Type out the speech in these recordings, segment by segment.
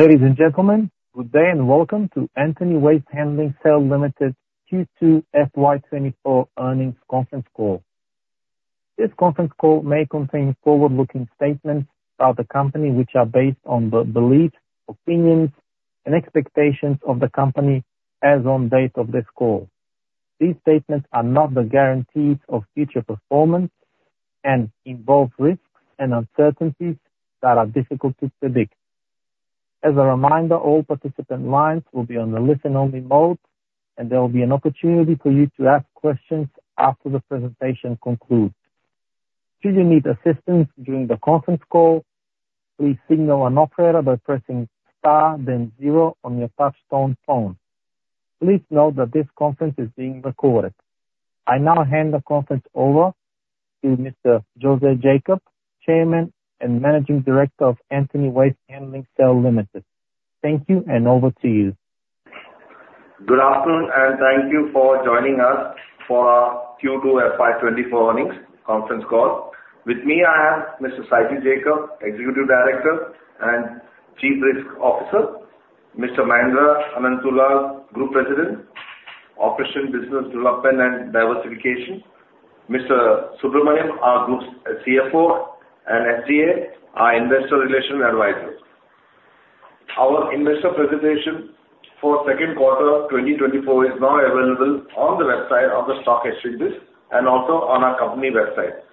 Ladies and gentlemen, good day, and welcome to Antony Waste Handling Cell Limited Q2 FY 2024 Earnings Conference Call. This conference call may contain forward-looking statements about the company, which are based on the beliefs, opinions and expectations of the company as on date of this call. These statements are not the guarantees of future performance and involve risks and uncertainties that are difficult to predict. As a reminder, all participant lines will be on the listen-only mode, and there will be an opportunity for you to ask questions after the presentation concludes. Should you need assistance during the conference call, please signal an operator by pressing star then zero on your touchtone phone. Please note that this conference is being recorded. I now hand the conference over to Mr. Jose Jacob, Chairman and Managing Director of Antony Waste Handling Cell Limited. Thank you, and over to you. Good afternoon, and thank you for joining us for our Q2 FY 2024 earnings conference call. With me, I have Mr. Shiju Jacob, Executive Director and Chief Risk Officer, Mr. Mahendra Ananthula, Group President, Operations, Business Development and Diversification, Mr. N.G. Subramanian, our Group CFO, and SGA, our Investor Relations Advisor. Our investor presentation for second quarter of 2024 is now available on the website of the stock exchange and also on our company website.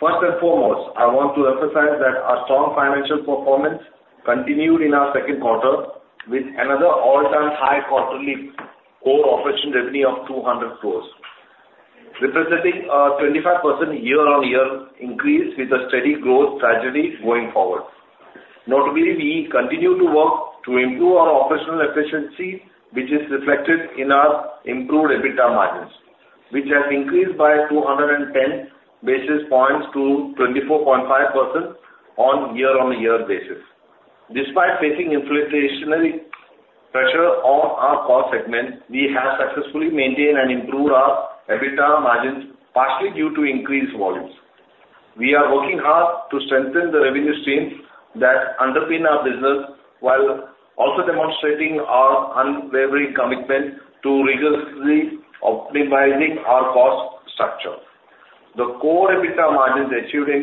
First and foremost, I want to emphasize that our strong financial performance continued in our second quarter, with another all-time high quarterly core operation revenue of 200 crore, representing a 25% year-on-year increase with a steady growth strategy going forward. Notably, we continue to work to improve our operational efficiency, which is reflected in our improved EBITDA margins, which have increased by 210 basis points to 24.5% on year-on-year basis. Despite facing inflationary pressure on our core segment, we have successfully maintained and improved our EBITDA margins, partially due to increased volumes. We are working hard to strengthen the revenue streams that underpin our business, while also demonstrating our unwavering commitment to rigorously optimizing our cost structure. The core EBITDA margins achieved in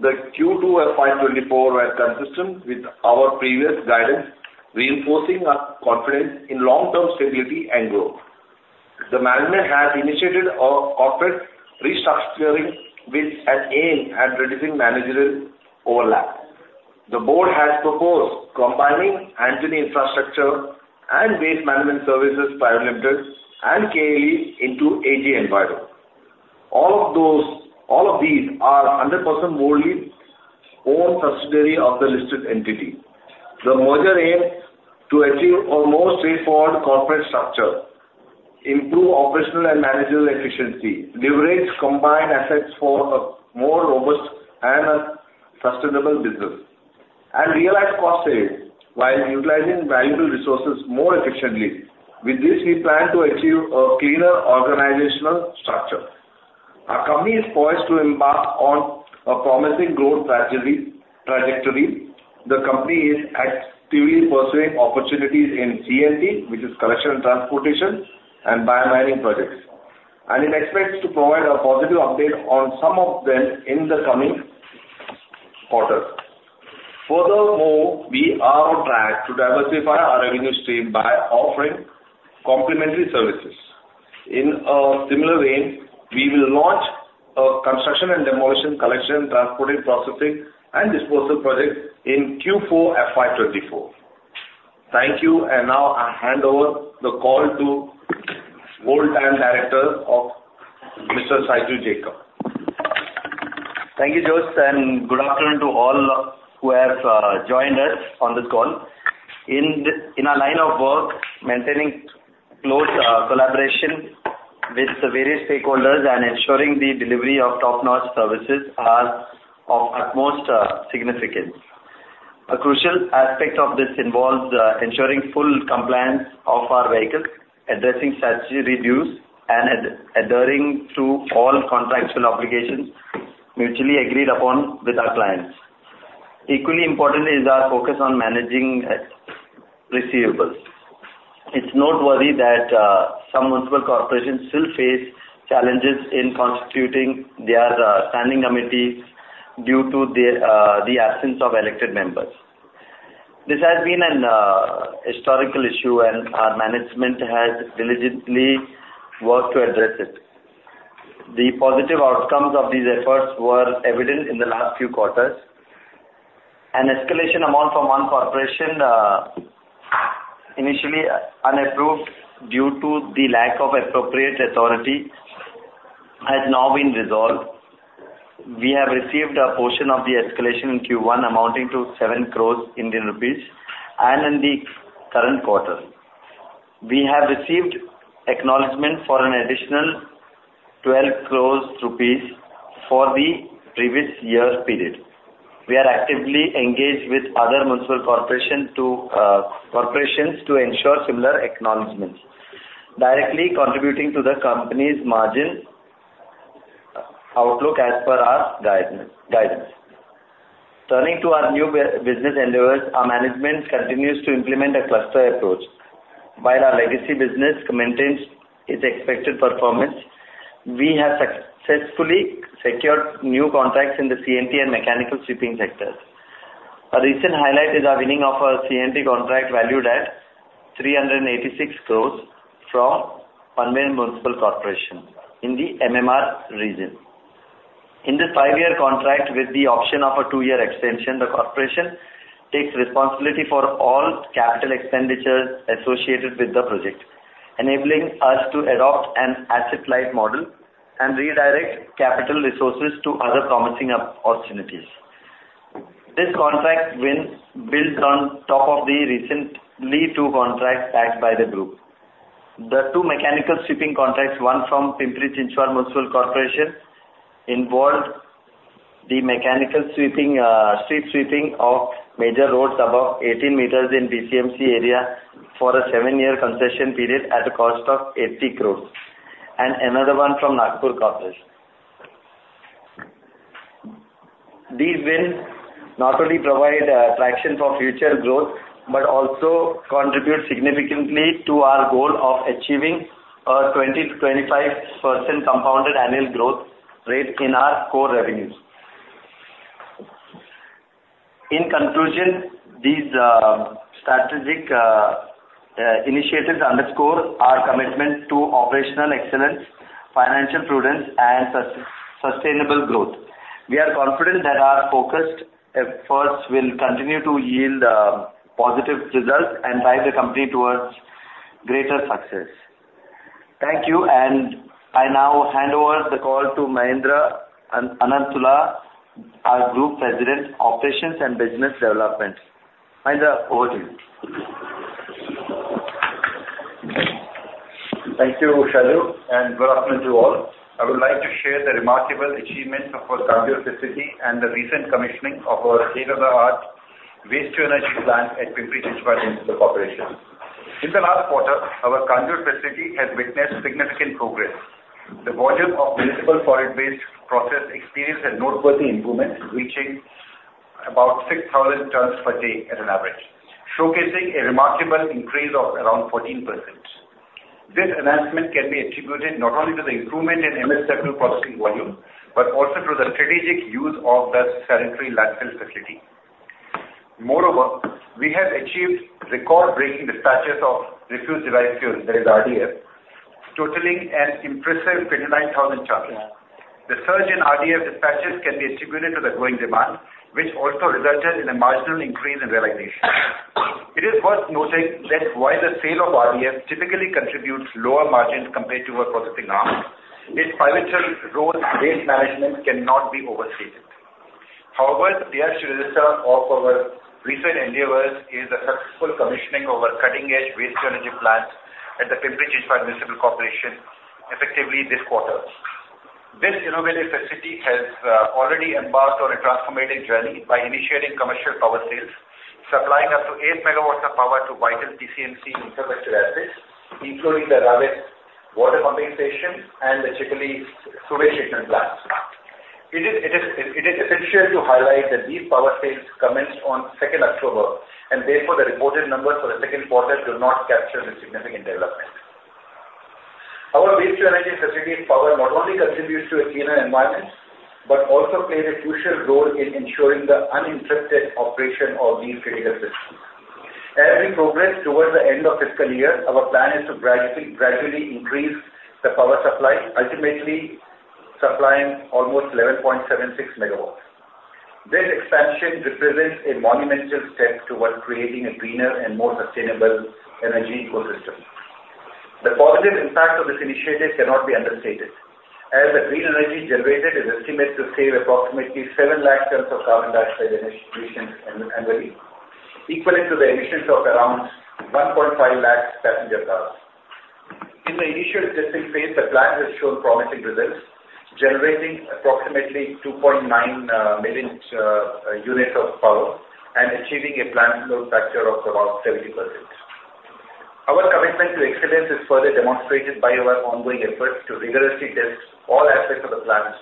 the Q2 FY 2024 were consistent with our previous guidance, reinforcing our confidence in long-term stability and growth. The management has initiated a corporate restructuring with an aim at reducing managerial overlap. The board has proposed combining Antony Infrastructure and Waste Management Services Private Limited and KLE into AG Enviro. All of these are 100% wholly owned subsidiary of the listed entity. The merger aims to achieve a more straightforward corporate structure, improve operational and managerial efficiency, leverage combined assets for a more robust and a sustainable business, and realize cost savings while utilizing valuable resources more efficiently. With this, we plan to achieve a cleaner organizational structure. Our company is poised to embark on a promising growth trajectory. The company is actively pursuing opportunities in C&T, which is collection and transportation, and bio-mining projects, and it expects to provide a positive update on some of them in the coming quarters. Furthermore, we are on track to diversify our revenue stream by offering complimentary services. In a similar vein, we will launch a construction and demolition collection, transporting, processing and disposal project in Q4 FY 2024. Thank you, and now I hand over the call to our Executive Director, Mr. Shiju Jacob. Thank you, Jose, and good afternoon to all who have joined us on this call. In our line of work, maintaining close collaboration with the various stakeholders and ensuring the delivery of top-notch services are of utmost significance. A crucial aspect of this involves ensuring full compliance of our vehicles, addressing statutory dues, and adhering to all contractual obligations mutually agreed upon with our clients. Equally important is our focus on managing receivables. It's noteworthy that some municipal corporations still face challenges in constituting their standing committees due to the absence of elected members. This has been an historical issue, and our management has diligently worked to address it. The positive outcomes of these efforts were evident in the last few quarters. An escalation amount from one corporation, initially unapproved due to the lack of appropriate authority, has now been resolved. We have received a portion of the escalation in Q1, amounting to 7 crore Indian rupees, and in the current quarter. We have received acknowledgement for an additional 12 crore rupees for the previous year's period. We are actively engaged with other municipal corporations to ensure similar acknowledgements, directly contributing to the company's margins outlook as per our guidance. Turning to our new business endeavors, our management continues to implement a cluster approach. While our legacy business maintains its expected performance, we have successfully secured new contracts in the CNT and mechanical sweeping sectors. A recent highlight is our winning of a CNT contract valued at 386 crore from Mumbai Municipal Corporation in the MMR region. In this 5-year contract with the option of a 2-year extension, the corporation takes responsibility for all capital expenditures associated with the project, enabling us to adopt an asset-light model and redirect capital resources to other promising opportunities. This contract wins builds on top of the recently two contracts bagged by the group. The two mechanical sweeping contracts, one from Pimpri-Chinchwad Municipal Corporation, involved the mechanical sweeping, street sweeping of major roads above 18 meters in PCMC area for a 7-year concession period at a cost of 80 crore, and another one from Nagpur Municipal Corporation. These wins not only provide traction for future growth, but also contribute significantly to our goal of achieving a 20%-25% compounded annual growth rate in our core revenues. In conclusion, these strategic initiatives underscore our commitment to operational excellence, financial prudence, and sustainable growth. We are confident that our focused efforts will continue to yield positive results and guide the company towards greater success. Thank you, and I now hand over the call to Mahendra Ananthula, our Group President, Operations and Business Development. Mahendra, over to you. Thank you, Shiju, and good afternoon to all. I would like to share the remarkable achievements of our Kanjurmarg facility and the recent commissioning of our state-of-the-art Waste-to-Energy plant at Pimpri-Chinchwad Municipal Corporation. In the last quarter, our Kanjurmarg facility has witnessed significant progress. The volume of municipal solid waste processed experienced a noteworthy improvement, reaching about 6,000 tons per day at an average, showcasing a remarkable increase of around 14%. This enhancement can be attributed not only to the improvement in MSW processing volume, but also to the strategic use of the sanitary landfill facility. Moreover, we have achieved record-breaking dispatches of refuse-derived fuel, that is RDF, totaling an impressive 59,000 tons. The surge in RDF dispatches can be attributed to the growing demand, which also resulted in a marginal increase in realization. It is worth noting that while the sale of RDF typically contributes lower margins compared to our processing arm, its pivotal role in waste management cannot be overstated. However, the pièce de résistance of our recent endeavors is the successful commissioning of our cutting-edge waste-to-energy plant at the Pimpri-Chinchwad Municipal Corporation, effectively this quarter. This innovative facility has already embarked on a transformative journey by initiating commercial power sales, supplying up to 8 megawatts of power to vital PCMC infrastructure assets, including the Ravet Water Pumping Station and the Chikhali Sewage Treatment Plant. It is essential to highlight that these power sales commenced on second October, and therefore, the reported numbers for the second quarter do not capture this significant development. Our waste-to-energy facility's power not only contributes to a cleaner environment, but also plays a crucial role in ensuring the uninterrupted operation of these critical systems. As we progress towards the end of fiscal year, our plan is to gradually, gradually increase the power supply, ultimately supplying almost 11.76 MW. This expansion represents a monumental step towards creating a greener and more sustainable energy ecosystem. The positive impact of this initiative cannot be understated, as the green energy generated is estimated to save approximately 700,000 tons of carbon dioxide emissions annually, equaling to the emissions of around 150,000 passenger cars. In the initial testing phase, the plant has shown promising results, generating approximately 2.9 million units of power and achieving a plant load factor of around 70%. Our commitment to excellence is further demonstrated by our ongoing efforts to rigorously test all aspects of the plants,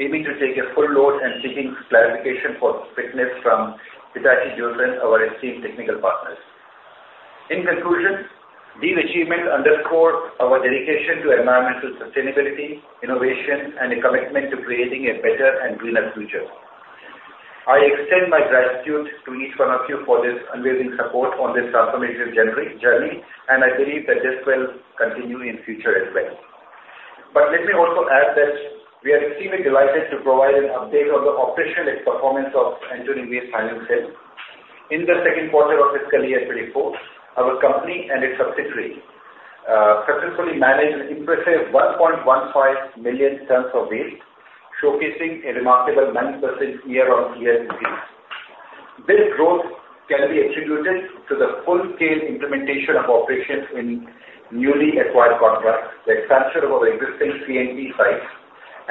aiming to take a full load and seeking clarification for fitness from Hitachi Zosen, our esteemed technical partners. In conclusion, these achievements underscore our dedication to environmental sustainability, innovation, and a commitment to creating a better and greener future. I extend my gratitude to each one of you for this unwavering support on this transformative journey, and I believe that this will continue in future as well. But let me also add that we are extremely delighted to provide an update on the operational performance of Antony Waste Management. In the second quarter of fiscal year 2024, our company and its subsidiary successfully managed an impressive 1.15 million tons of waste, showcasing a remarkable 9% year-on-year increase. This growth can be attributed to the full-scale implementation of operations in newly acquired contracts, the expansion of our existing CNT sites,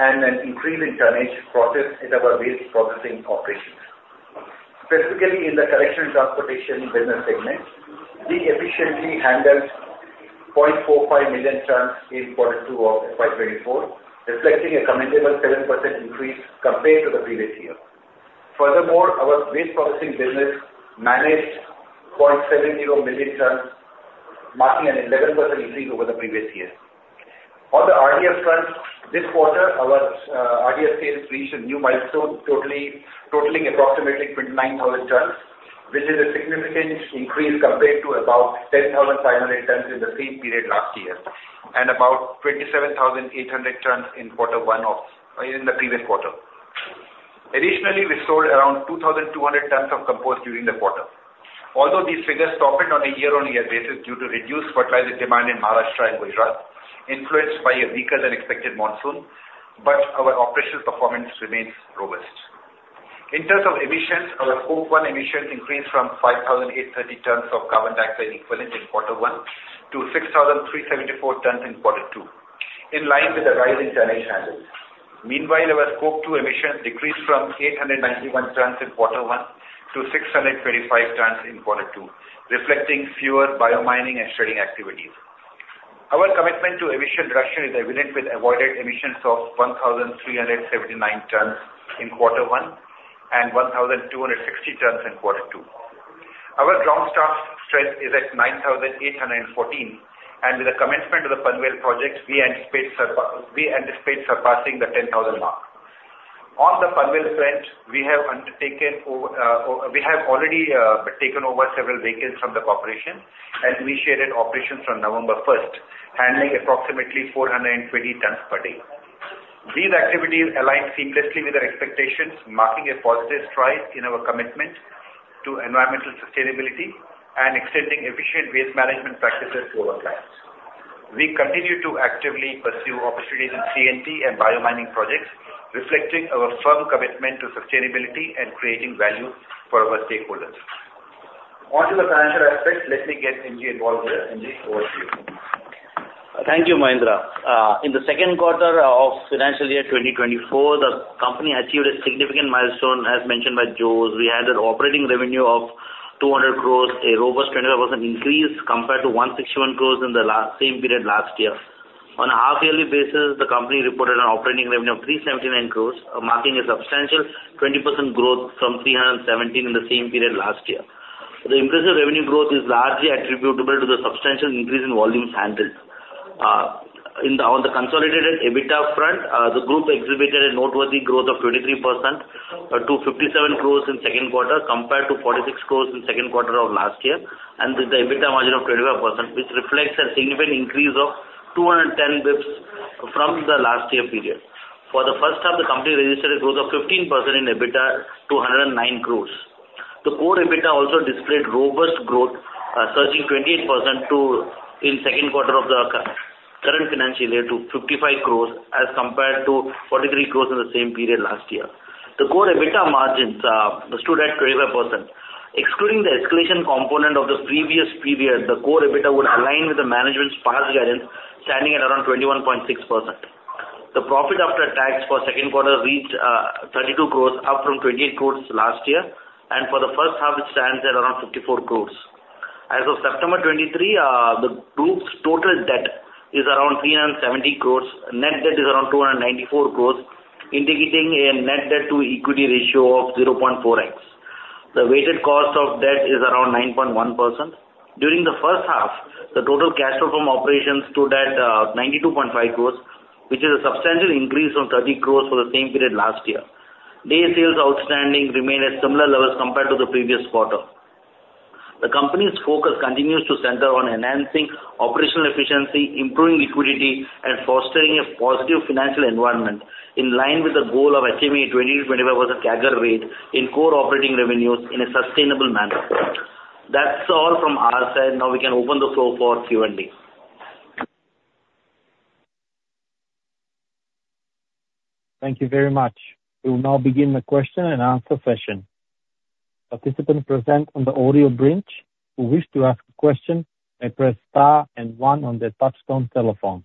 and an increase in tonnage processed in our waste processing operations. Specifically, in the collection and transportation business segment, we efficiently handled 0.45 million tons in quarter two of FY 2024, reflecting a commendable 7% increase compared to the previous year. Furthermore, our waste processing business managed 0.70 million tons, marking an 11% increase over the previous year. On the RDF front, this quarter, our RDF sales reached a new milestone, totaling approximately 29,000 tons, which is a significant increase compared to about 10,500 tons in the same period last year, and about 27,800 tons in quarter one of in the previous quarter. Additionally, we sold around 2,200 tons of compost during the quarter. Although these figures softened on a year-on-year basis due to reduced fertilizer demand in Maharashtra and Gujarat, influenced by a weaker than expected monsoon, but our operational performance remains robust. In terms of emissions, our Scope 1 emissions increased from 5,830 tons of carbon dioxide equivalent in quarter one to 6,374 tons in quarter two, in line with the rise in tonnage handled. Meanwhile, our Scope 2 emissions decreased from 891 tons in quarter one to 625 tons in quarter two, reflecting fewer bio-mining and shredding activities. Our commitment to emission reduction is evident with avoided emissions of 1,379 tons in quarter one and 1,260 tons in quarter two. Our strong staff strength is at 9,814, and with the commencement of the Panvel project, we anticipate surpassing the 10,000 mark. On the Panvel front, we have already taken over several vehicles from the corporation and initiated operations on November first, handling approximately 420 tons per day. These activities align seamlessly with our expectations, marking a positive stride in our commitment to environmental sustainability and extending efficient waste management practices to our clients. We continue to actively pursue opportunities in CNT and bio-mining projects, reflecting our firm commitment to sustainability and creating value for our stakeholders. On to the financial aspect, let me get N.G. involved here. N.G., over to you. Thank you, Mahendra. In the second quarter of financial year 2024, the company achieved a significant milestone. As mentioned by Jose, we had an operating revenue of 200 crore, a robust 25% increase compared to 161 crore in the last, same period last year. On a half yearly basis, the company reported an operating revenue of 379 crore, marking a substantial 20% growth from 317 in the same period last year. The impressive revenue growth is largely attributable to the substantial increase in volume handled. On the consolidated EBITDA front, the group exhibited a noteworthy growth of 23% to 57 crore in second quarter, compared to 46 crore in second quarter of last year, and with the EBITDA margin of 25%, which reflects a significant increase of 210 basis points from the last year period. For the first half, the company registered a growth of 15% in EBITDA to 109 crore. The core EBITDA also displayed robust growth, surging 28% to INR 55 crore in second quarter of the current financial year, as compared to 43 crore in the same period last year. The core EBITDA margins stood at 25%. Excluding the escalation component of the previous period, the core EBITDA would align with the management's past guidance, standing at around 21.6%. The profit after tax for second quarter reached 32 crores, up from 28 crores last year, and for the first half, it stands at around 54 crores. As of September 2023, the group's total debt is around 370 crores. Net debt is around 294 crores, indicating a net debt to equity ratio of 0.4x. The weighted cost of debt is around 9.1%. During the first half, the total cash flow from operations stood at 92.5 crores, which is a substantial increase of 30 crores for the same period last year. Day sales outstanding remained at similar levels compared to the previous quarter. The company's focus continues to center on enhancing operational efficiency, improving liquidity, and fostering a positive financial environment in line with the goal of achieving a 20%-25% CAGR rate in core operating revenues in a sustainable manner. That's all from our side. Now we can open the floor for Q&A. Thank you very much. We will now begin the question and answer session. Participants present on the audio bridge who wish to ask a question may press star and one on their touchtone telephone.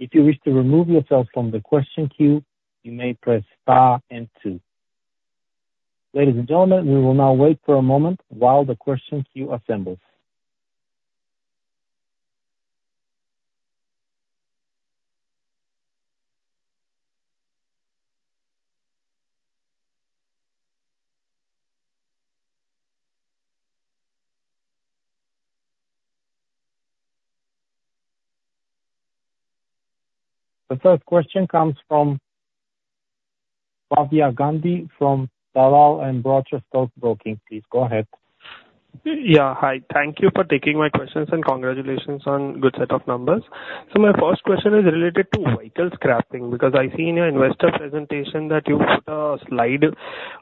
If you wish to remove yourself from the question queue, you may press star and two. Ladies and gentlemen, we will now wait for a moment while the question queue assembles. The first question comes from Bhavya Gandhi from Dalal & Broacha Stock Broking. Please, go ahead. Yeah. Hi, thank you for taking my questions, and congratulations on good set of numbers. So my first question is related to vehicle scrapping, because I see in your investor presentation that you put a slide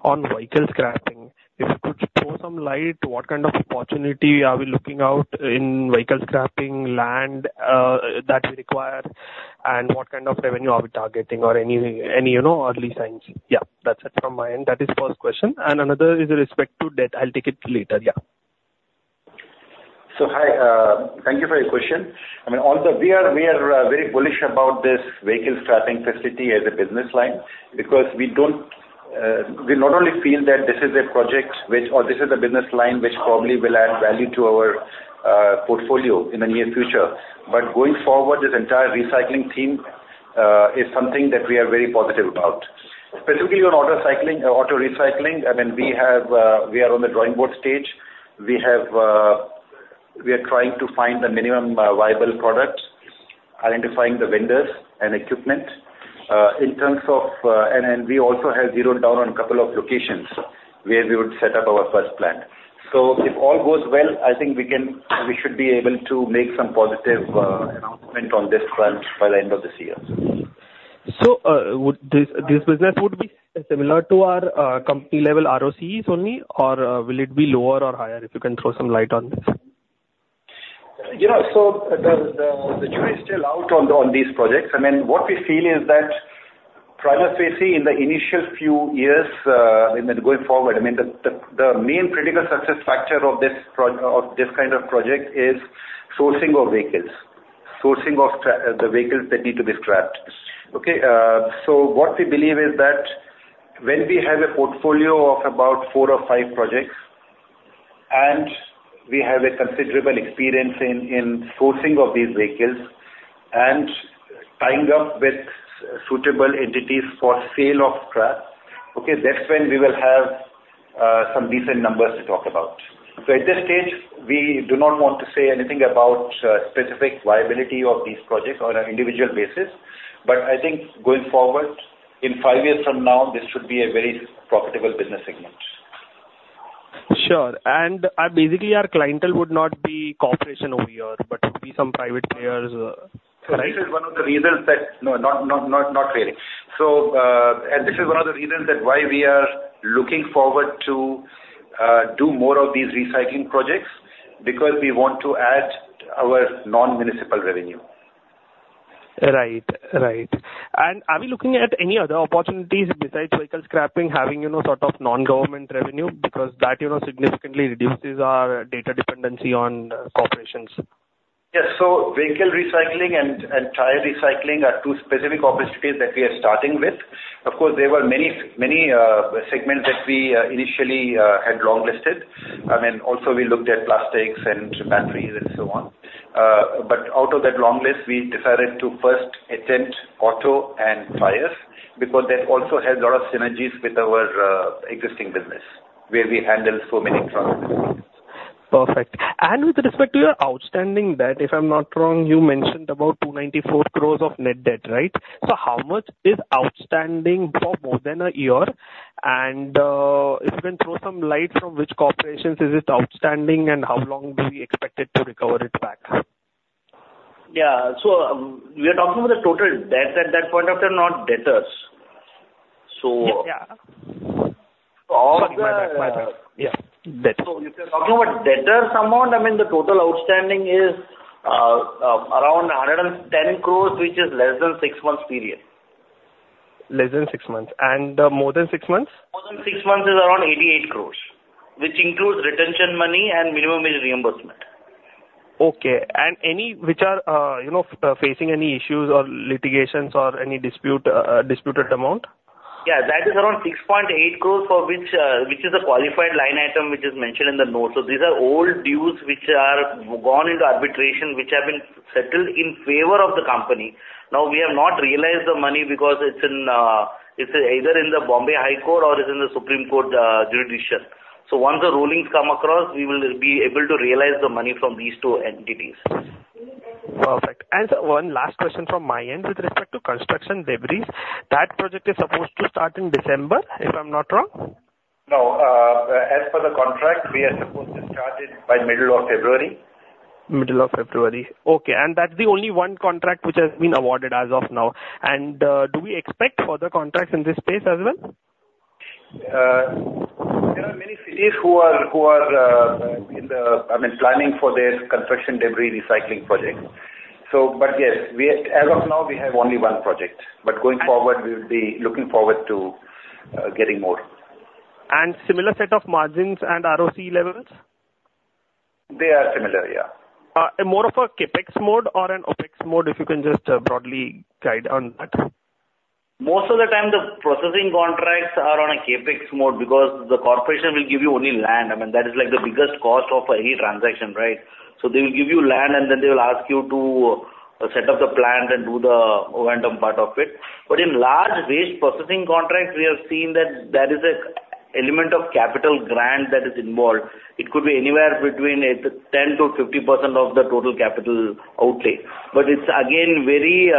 on vehicle scrapping. If you could throw some light to what kind of opportunity are we looking out in vehicle scrapping, land that we require, and what kind of revenue are we targeting or any, you know, early signs? Yeah, that's it from my end. That is first question, and another is with respect to debt. I'll take it later. Yeah. So, hi, thank you for your question. I mean, on the- we are, we are, very bullish about this vehicle scrapping facility as a business line because we not only feel that this is a project which or this is a business line which probably will add value to our, portfolio in the near future, but going forward, this entire recycling theme, is something that we are very positive about. Specifically on auto cycling, auto recycling, I mean, we have, we are on the drawing board stage. We have, we are trying to find the minimum, viable product, identifying the vendors and equipment, in terms of, and, and we also have zeroed down on a couple of locations where we would set up our first plant. So if all goes well, I think we can, we should be able to make some positive announcement on this front by the end of this year. So, would this business be similar to our company-level ROCEs only, or will it be lower or higher? If you can throw some light on this. Yeah. So the jury is still out on these projects. I mean, what we feel is that prima facie, in the initial few years, I mean, going forward, I mean, the main critical success factor of this kind of project is sourcing of vehicles, sourcing of the vehicles that need to be scrapped. Okay, so what we believe is that when we have a portfolio of about four or five projects, and we have a considerable experience in sourcing of these vehicles and tying up with suitable entities for sale of scrap, okay, that's when we will have some decent numbers to talk about. At this stage, we do not want to say anything about specific viability of these projects on an individual basis, but I think going forward, in five years from now, this should be a very profitable business segment. Sure. And, basically, our clientele would not be corporation over here, but would be some private players, right? So this is one of the reasons that... No, not really. So, and this is one of the reasons that why we are looking forward to do more of these recycling projects, because we want to add our non-municipal revenue. Right. Right. And are we looking at any other opportunities besides vehicle scrapping, having, you know, sort of non-government revenue? Because that, you know, significantly reduces our data dependency on corporations. Yes. So vehicle recycling and tire recycling are two specific opportunities that we are starting with. Of course, there were many, many, segments that we initially had longlisted. I mean, also we looked at plastics and batteries and so on. But out of that longlist, we decided to first attempt auto and tires, because that also has a lot of synergies with our existing business, where we handle so many trucks. Perfect. And with respect to your outstanding debt, if I'm not wrong, you mentioned about 294 crore of net debt, right? So how much is outstanding for more than a year? And, if you can throw some light from which corporations is it outstanding, and how long do we expect it to recover it back? Yeah. So we are talking about the total debt at that point of time, not debtors. So- Yeah. Of the- My bad, my bad. Yeah, debt. If you're talking about debtors amount, I mean, the total outstanding is around 110 crore, which is less than six months period. Less than six months. More than six months? More than six months is around 88 crore, which includes retention money and minimum reimbursement. Okay. And any which are, you know, facing any issues or litigations or any dispute, disputed amount? Yeah, that is around 6.8 crore for which, which is a qualified line item, which is mentioned in the note. So these are old dues which are gone into arbitration, which have been settled in favor of the company. Now, we have not realized the money because it's in, it's either in the Bombay High Court or it's in the Supreme Court, jurisdiction. So once the rulings come across, we will be able to realize the money from these two entities. Perfect. One last question from my end. With respect to construction debris, that project is supposed to start in December, if I'm not wrong? No, as per the contract, we are supposed to start it by middle of February. Middle of February. Okay. And that's the only one contract which has been awarded as of now. And, do we expect further contracts in this space as well? There are many cities who are in the, I mean, planning for this construction debris recycling project. But yes, as of now, we have only one project, but going forward, we will be looking forward to getting more. Similar set of margins and ROCE levels? They are similar, yeah. More of a CapEx mode or an OpEx mode, if you can just broadly guide on that? Most of the time, the processing contracts are on a CapEx mode because the corporation will give you only land. I mean, that is like the biggest cost of any transaction, right? So they will give you land, and then they will ask you to set up the plant and do the random part of it. But in large waste processing contracts, we have seen that there is an element of capital grant that is involved. It could be anywhere between 8%-10% to 50% of the total capital outlay, but it's again, very,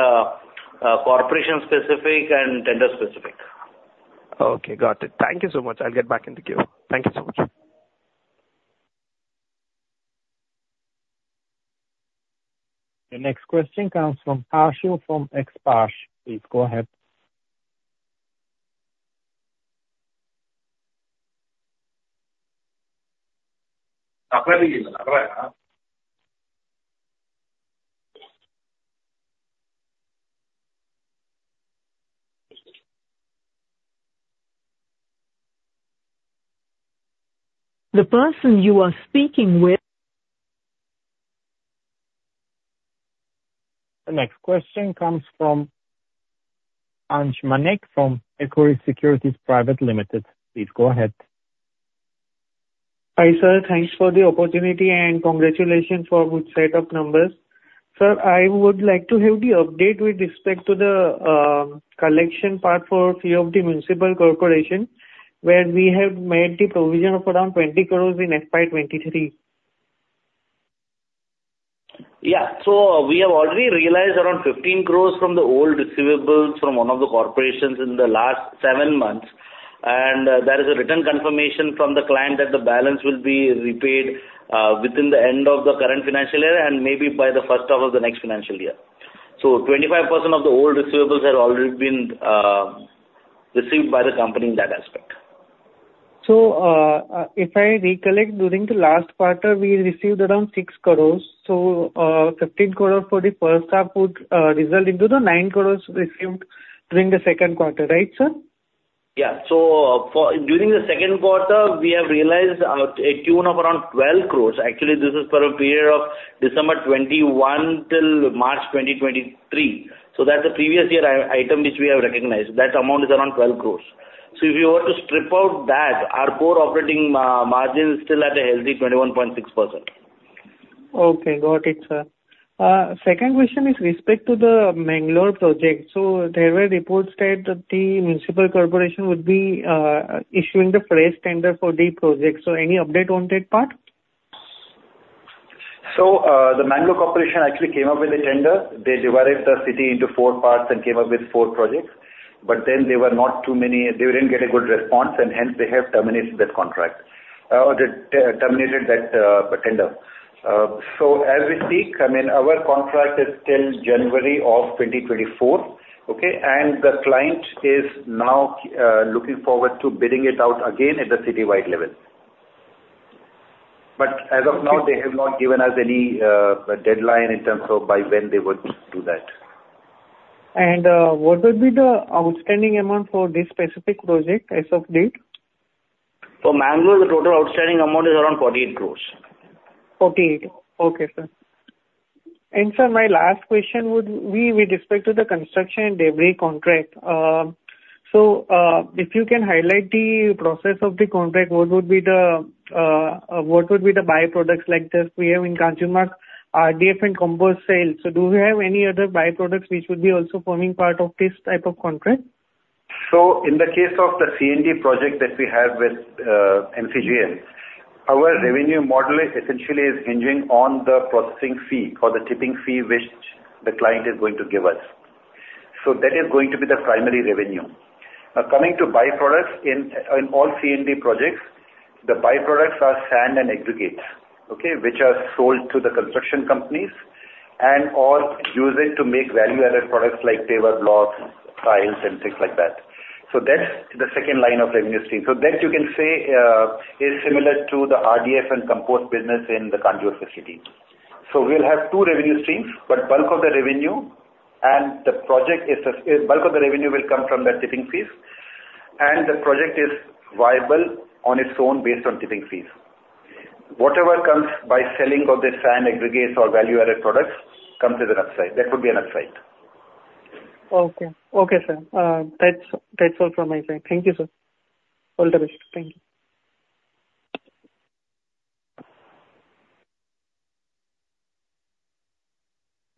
corporation specific and tender specific. Okay, got it. Thank you so much. I'll get back in the queue. Thank you so much. The next question comes from Harshal from Sparsh. Please go ahead. The person you are speaking with-... The next question comes from Ansh Manek from Equirus Securities Private Limited. Please go ahead. Hi, sir. Thanks for the opportunity, and congratulations for good set of numbers. Sir, I would like to have the update with respect to the, collection part for few of the municipal corporation, where we have made the provision of around 20 crore in FY 2023. Yeah. So we have already realized around 15 crore from the old receivables from one of the corporations in the last 7 months, and there is a written confirmation from the client that the balance will be repaid within the end of the current financial year and maybe by the first half of the next financial year. So 25% of the old receivables have already been received by the company in that aspect. So, if I recollect, during the last quarter, we received around 6 crore. So, 15 crore for the first half would result into the 9 crore received during the second quarter, right, sir? Yeah. So for, during the second quarter, we have realized a tune of around 12 crore. Actually, this is for a period of December 2021 till March 2023. So that's the previous year item which we have recognized. That amount is around 12 crore. So if you were to strip out that, our core operating margin is still at a healthy 21.6%. Okay, got it, sir. Second question is with respect to the Bangalore project. There were reports that the municipal corporation would be issuing the fresh tender for the project. Any update on that part? So, the Bangalore corporation actually came up with a tender. They divided the city into four parts and came up with four projects, but then there were not too many... They didn't get a good response, and hence they have terminated that contract, or terminated that tender. So as we speak, I mean, our contract is till January of 2024, okay? And the client is now looking forward to bidding it out again at the citywide level. But as of now, they have not given us any deadline in terms of by when they would do that. What would be the outstanding amount for this specific project as of date? For Bangalore, the total outstanding amount is around 48 crore. 48. Okay, sir. Sir, my last question would be with respect to the construction and demolition contract. So, if you can highlight the process of the contract, what would be the byproducts like this? We have in Kanjurmarg, RDF, and compost sales. So do we have any other byproducts which would be also forming part of this type of contract? So in the case of the C&D project that we have with GNIDA, our revenue model is essentially hinging on the processing fee or the tipping fee which the client is going to give us. So that is going to be the primary revenue. Now, coming to byproducts, in all C&D projects, the byproducts are sand and aggregate, okay? Which are sold to the construction companies, and/or use it to make value-added products like paver blocks, tiles, and things like that. So that's the second line of revenue stream. So that you can say is similar to the RDF and compost business in the Kanjurmarg facility. So we'll have two revenue streams, but bulk of the revenue and the project is bulk of the revenue will come from the tipping fees, and the project is viable on its own based on tipping fees. Whatever comes by selling of the sand aggregates or value-added products comes as an upside. That would be an upside. Okay. Okay, sir. That's, that's all from my side. Thank you, sir. All the best. Thank you.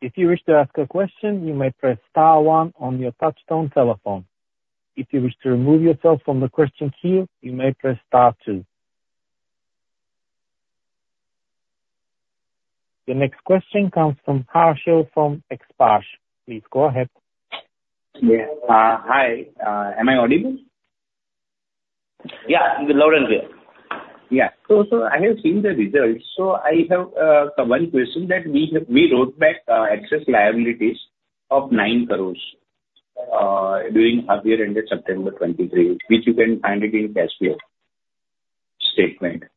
If you wish to ask a question, you may press star one on your touchtone telephone. If you wish to remove yourself from the question queue, you may press star two. The next question comes from Harshal from Sparsh. Please, go ahead. Yeah. Hi, am I audible? Yeah, loud and clear. Yeah. So, so I have seen the results. So I have one question that we have, we wrote back excess liabilities of 9 crore during half year ended September 2023, which you can find it in cash flow statement, right?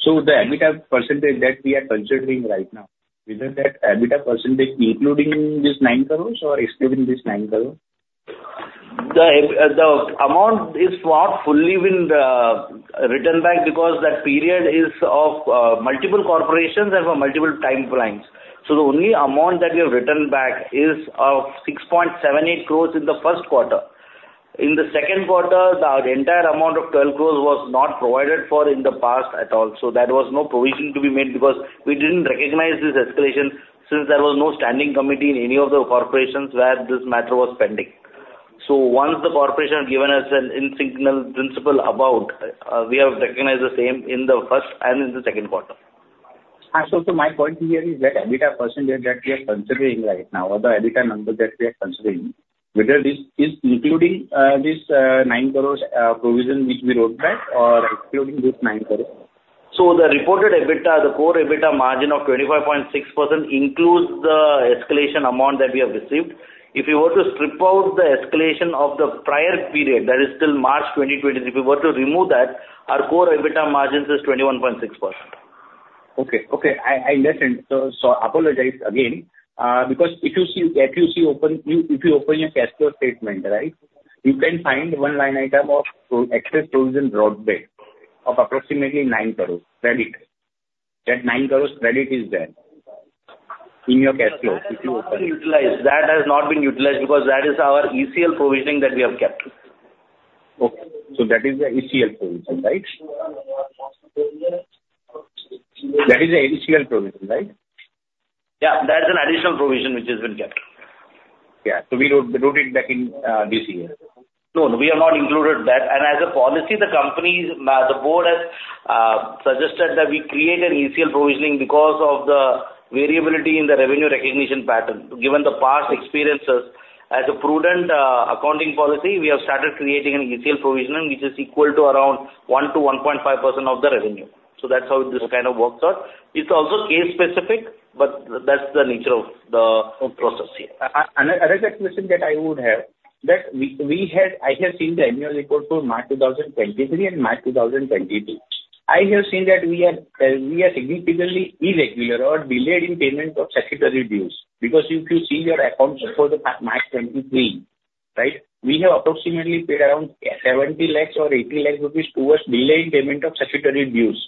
So the EBITDA percentage that we are considering right now, is that, that EBITDA percentage including this 9 crore or excluding this 9 crore? The amount is not fully been written back because that period is of multiple corporations and for multiple time frames. So the only amount that we have written back is of 6.78 crore in the first quarter. In the second quarter, the entire amount of 12 crore was not provided for in the past at all. So there was no provision to be made because we didn't recognize this escalation, since there was no standing committee in any of the corporations where this matter was pending. So once the corporation had given us an in-principle about, we have recognized the same in the first and in the second quarter. So, my point here is that EBITDA percentage that we are considering right now, or the EBITDA number that we are considering, whether this is including this 9 crore provision which we wrote back or excluding this 9 crore? The reported EBITDA, the core EBITDA margin of 25.6% includes the escalation amount that we have received. If you were to strip out the escalation of the prior period, that is till March 2020, if you were to remove that, our core EBITDA margins is 21.6%. Okay. Okay, I understand. So, apologize again, because if you open your cash flow statement, right, you can find one line item of excess provision wrote back of approximately 9 crore credit. That 9 crore credit is there in your cash flow, if you open- That is not utilized. That has not been utilized because that is our ECL provisioning that we have kept. Okay. So that is the ECL provision, right? That is the ECL provision, right? Yeah, that's an additional provision which has been kept. Yeah. So we wrote it back in this year. No, no, we have not included that. As a policy, the company's, the board has suggested that we create an ECL provisioning because of the variability in the revenue recognition pattern. Given the past experiences, as a prudent, accounting policy, we have started creating an ECL provisioning, which is equal to around 1-1.5% of the revenue. That's how this kind of works out. It's also case specific, but that's the nature of the process here. Another question that I would have. I have seen the annual report for March 2023 and March 2022. I have seen that we are significantly irregular or delayed in payment of statutory dues, because if you see your accounts for the March 2023, right, we have approximately paid around 70 lakh or 80 lakh rupees towards delayed payment of statutory dues.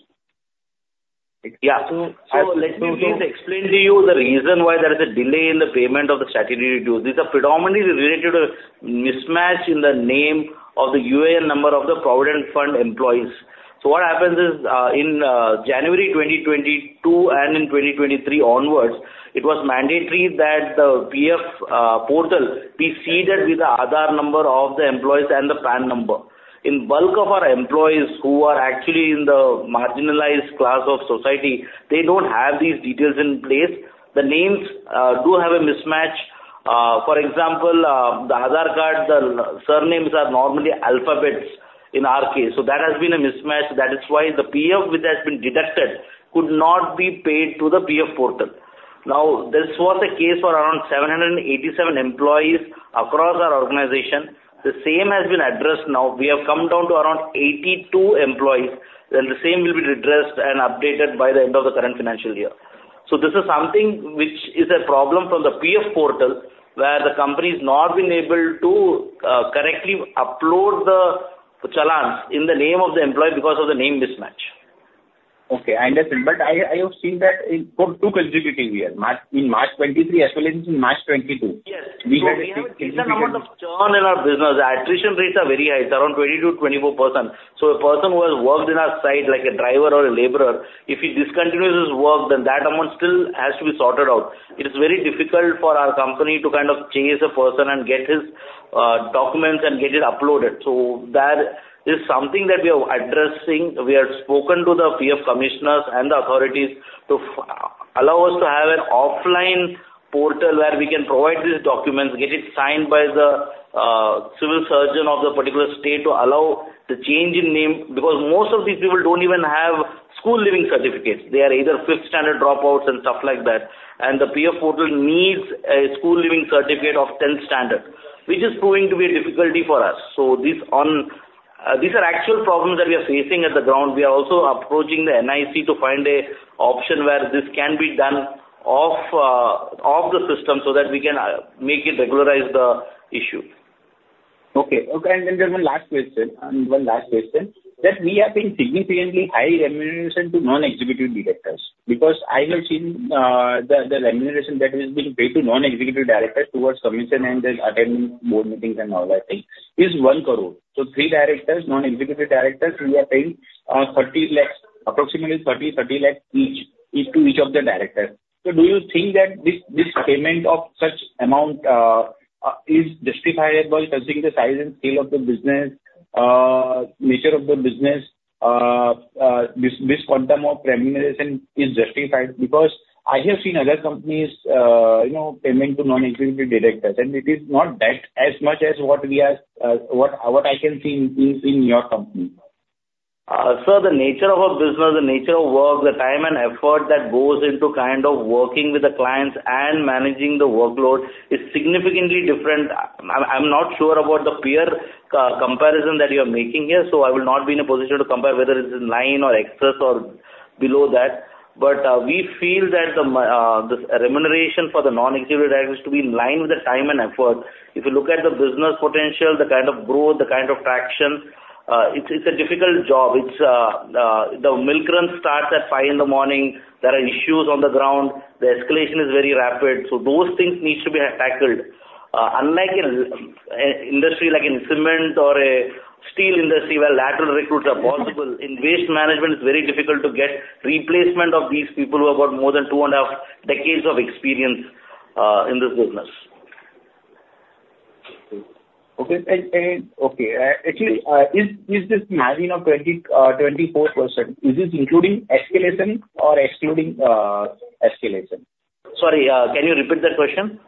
Yeah. So let me just explain to you the reason why there is a delay in the payment of the statutory dues. These are predominantly related to a mismatch in the name of the UIN number of the Provident Fund employees. So what happens is, in January 2022 and in 2023 onwards, it was mandatory that the PF portal be seeded with the Aadhaar number of the employees and the PAN number. In bulk of our employees who are actually in the marginalized class of society, they don't have these details in place. The names do have a mismatch. For example, the Aadhaar card, the surnames are normally alphabets in our case. So there has been a mismatch. That is why the PF which has been deducted could not be paid to the PF portal. Now, this was the case for around 787 employees across our organization. The same has been addressed now. We have come down to around 82 employees, and the same will be redressed and updated by the end of the current financial year. So this is something which is a problem from the PF portal, where the company's not been able to correctly upload the challans in the name of the employee because of the name mismatch. Okay, I understand. But I have seen that in for two consecutive years, March, in March 2023, as well as in March 2022. Yes. We have a significant- So we have a significant amount of churn in our business. The attrition rates are very high, it's around 20%-24%. So a person who has worked in our site, like a driver or a laborer, if he discontinues his work, then that amount still has to be sorted out. It is very difficult for our company to kind of chase a person and get his documents and get it uploaded. So that is something that we are addressing. We have spoken to the PF commissioners and the authorities to allow us to have an offline portal where we can provide these documents, get it signed by the civil surgeon of the particular state to allow the change in name, because most of these people don't even have school leaving certificates. They are either fifth standard dropouts and stuff like that, and the PF portal needs a school leaving certificate of tenth standard, which is proving to be a difficulty for us. So this on, these are actual problems that we are facing at the ground. We are also approaching the NIC to find a option where this can be done off, off the system, so that we can, make it regularize the issue. Okay. Okay, and then there's one last question, and one last question. That we have been significantly high remuneration to non-executive directors, because I have seen, the remuneration that has been paid to non-executive directors towards commission and attending board meetings and all that thing, is 1 crore. So three directors, non-executive directors, we are paying, 30 lakhs, approximately 30, 30 lakhs each, each to each of the directors. So do you think that this, this payment of such amount, is justifiable considering the size and scale of the business, nature of the business, this, this quantum of remuneration is justified? Because I have seen other companies, you know, payment to non-executive directors, and it is not that as much as what we are, what, what I can see in, in, in your company. So the nature of our business, the nature of work, the time and effort that goes into kind of working with the clients and managing the workload is significantly different. I, I'm not sure about the peer comparison that you're making here, so I will not be in a position to compare whether it's in line or excess or below that. But, we feel that the remuneration for the non-executive directors to be in line with the time and effort. If you look at the business potential, the kind of growth, the kind of traction, it's a difficult job. It's the milk run starts at five in the morning. There are issues on the ground. The escalation is very rapid, so those things needs to be tackled. Unlike in industry, like in cement or a steel industry, where lateral recruits are possible, in waste management, it's very difficult to get replacement of these people who have got more than two and a half decades of experience in this business. Actually, is this margin of 24% including escalation or excluding escalation? Sorry, can you repeat that question?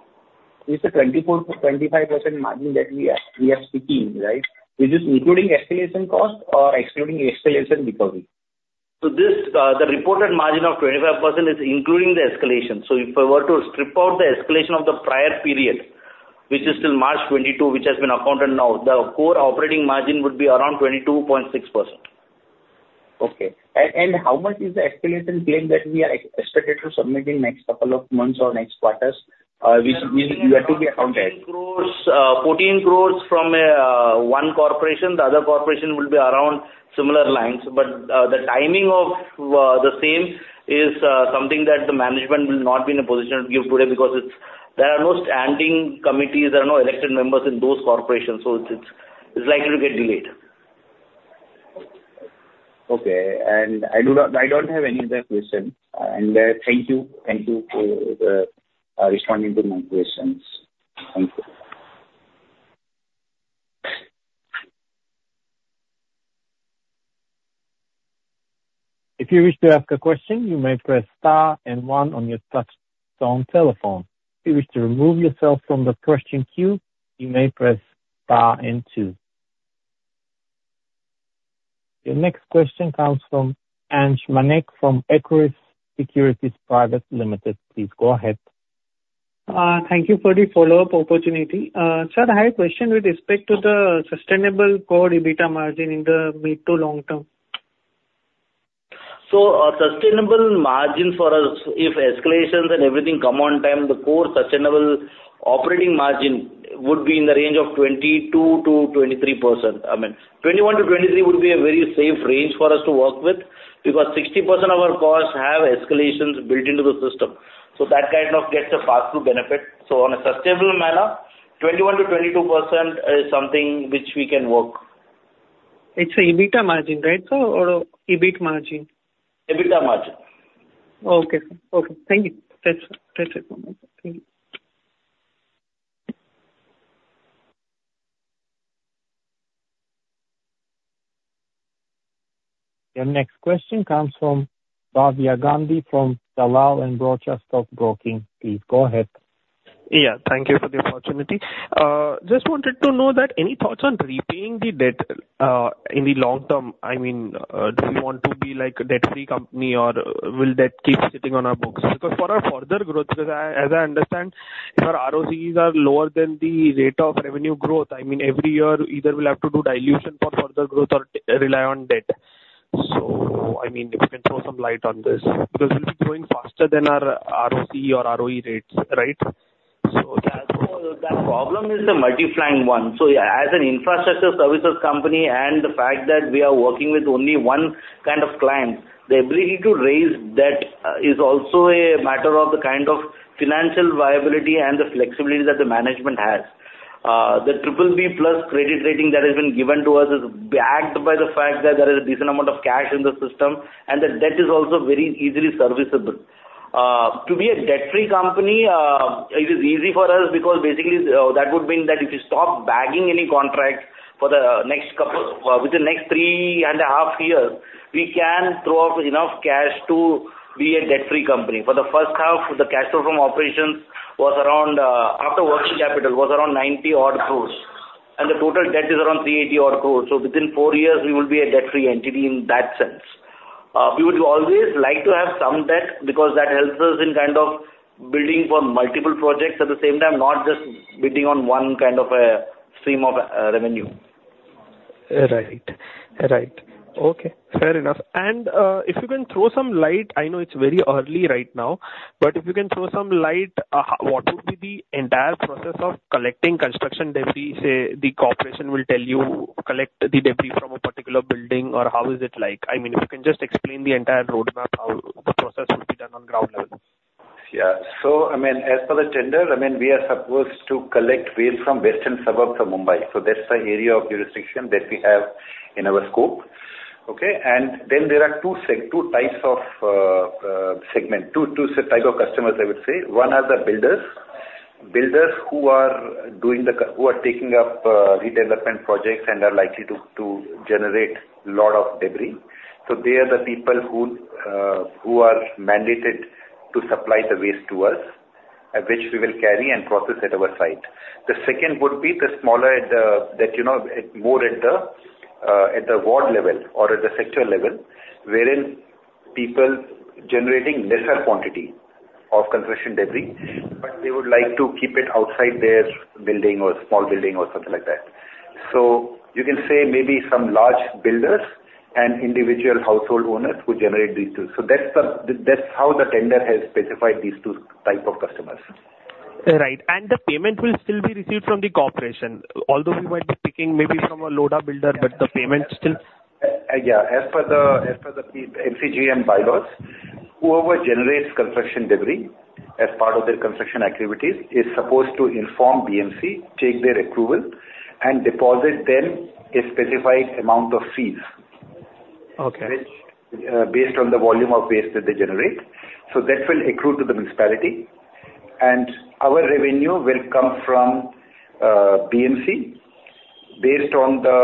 Is the 24%-25% margin that we are speaking, right? Is this including escalation cost or excluding escalation recovery? So this, the reported margin of 25% is including the escalation. So if I were to strip out the escalation of the prior period, which is till March 2022, which has been accounted now, the core operating margin would be around 22.6%. Okay. And how much is the escalation claim that we are expected to submit in next couple of months or next quarters? Which we are to be accounted. 14 crore, 14 crore from one corporation, the other corporation will be around similar lines. But, the timing of the same is something that the management will not be in a position to give today, because it's there are no standing committees, there are no elected members in those corporations, so it's, it's likely to get delayed. Okay. I don't have any other question. Thank you. Thank you for responding to my questions. Thank you. If you wish to ask a question, you may press star and one on your touch tone telephone. If you wish to remove yourself from the question queue, you may press star and two. Your next question comes from Ansh Manek from Equirus Securities Private Limited. Please, go ahead. Thank you for the follow-up opportunity. Sir, I have a question with respect to the sustainable core EBITDA margin in the mid- to long-term. Our sustainable margin for us, if escalations and everything come on time, the core sustainable operating margin would be in the range of 22%-23%. I mean, 21%-23% would be a very safe range for us to work with, because 60% of our costs have escalations built into the system. So that kind of gets a pass-through benefit. So on a sustainable manner, 21%-22% is something which we can work. It's a EBITDA margin, right, sir, or EBIT margin? EBITDA margin. Okay, sir. Okay, thank you. That's, that's it for me. Thank you. Your next question comes from Bhavya Gandhi, from Dalal & Broacha Stock Broking. Please, go ahead. Yeah, thank you for the opportunity. Just wanted to know that any thoughts on repaying the debt in the long term? I mean, do you want to be, like, a debt-free company, or will debt keep sitting on our books? Because for our further growth, because as I understand, your ROCEs are lower than the rate of revenue growth. I mean, every year, either we'll have to do dilution for further growth or rely on debt. So, I mean, if you can throw some light on this, because we'll be growing faster than our ROCE or ROE rates, right? So that, that problem is a multi-pronged one. So yeah, as an infrastructure services company and the fact that we are working with only one kind of client, the ability to raise debt, is also a matter of the kind of financial viability and the flexibility that the management has. The BBB+ credit rating that has been given to us is backed by the fact that there is a decent amount of cash in the system, and the debt is also very easily serviceable. To be a debt-free company, it is easy for us, because basically, that would mean that if you stop bagging any contracts for the next couple... Within the next three and a half years, we can throw off enough cash to be a debt-free company. For the first half, the cash flow from operations was around, after working capital, around 90 crore, and the total debt is around 380 crore. So within 4 years, we will be a debt-free entity in that sense. We would always like to have some debt because that helps us in kind of bidding for multiple projects at the same time, not just bidding on one kind of a stream of revenue. Right. Right. Okay, fair enough. And, if you can throw some light, I know it's very early right now, but if you can throw some light, what would be the entire process of collecting construction debris? Say, the corporation will tell you, "Collect the debris from a particular building," or how is it like? I mean, if you can just explain the entire roadmap, how the process will be done on ground level. Yeah. So, I mean, as per the tender, I mean, we are supposed to collect waste from western suburbs of Mumbai. So that's the area of jurisdiction that we have in our scope. Okay, and then there are two types of segments, two types of customers, I would say. One are the builders. Builders who are taking up redevelopment projects and are likely to generate a lot of debris. So they are the people who are mandated to supply the waste to us, which we will carry and process at our site. The second would be the smaller, at the that you know, more at the, at the ward level or at the sector level, wherein people generating lesser quantity of construction debris, but they would like to keep it outside their building or small building or something like that. So you can say maybe some large builders and individual household owners who generate these two. So that's the, that's how the tender has specified these two type of customers. Right. And the payment will still be received from the corporation, although we might be picking maybe from a loader builder, but the payment still. Yeah, as per the MCGM bylaws, whoever generates construction debris as part of their construction activities is supposed to inform BMC, take their approval, and deposit them a specified amount of fees. Okay. Based on the volume of waste that they generate. That will accrue to the municipality, and our revenue will come from BMC, based on the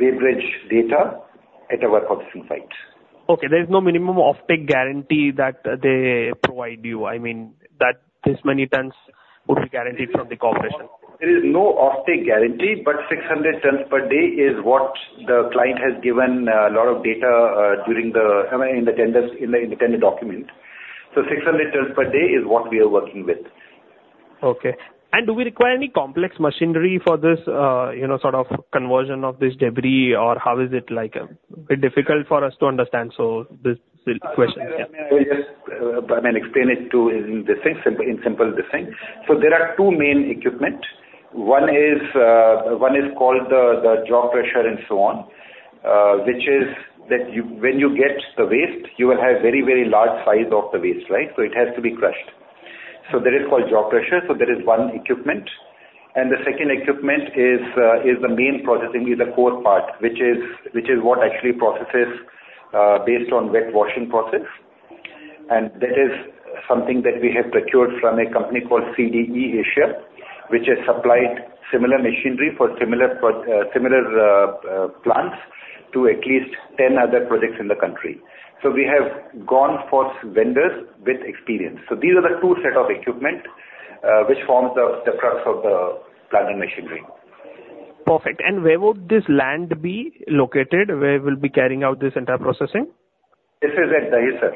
weighbridge data at our processing site. Okay, there is no minimum offtake guarantee that they provide you, I mean, that this many tons would be guaranteed from the corporation? There is no offtake guarantee, but 600 tons per day is what the client has given, a lot of data, during the... I mean, in the tenders, in the tender document. So 600 tons per day is what we are working with. Okay. Do we require any complex machinery for this, you know, sort of conversion of this debris, or how is it like? A bit difficult for us to understand, so this is the question.... Yeah, yes, I mean, explain it in distinct, simple, in simple distinct. So there are two main equipment. One is called the jaw crusher and so on, which is that you, when you get the waste, you will have very, very large size of the waste, right? So it has to be crushed. So that is called jaw crusher. So that is one equipment. And the second equipment is the main processing, the core part, which is what actually processes based on wet washing process. And that is something that we have procured from a company called CDE Asia, which has supplied similar machinery for similar plants to at least 10 other projects in the country. So we have gone for vendors with experience. These are the two set of equipment, which forms the crux of the plant and machinery. Perfect. And where would this land be located, where we'll be carrying out this entire processing? This is at Dahisar.